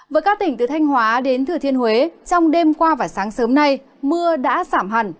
với các tỉnh từ thanh hóa đến thừa thiên huế trong đêm qua và sáng sớm nay mưa đã giảm hẳn